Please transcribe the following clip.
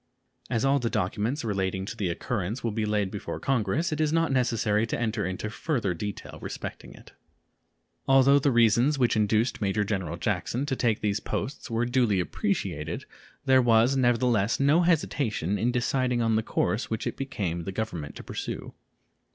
As all the documents relating to this occurrence will be laid before Congress, it is not necessary to enter into further detail respecting it. Although the reasons which induced Major General Jackson to take these posts were duly appreciated, there was nevertheless no hesitation in deciding on the course which it became the Government to pursue.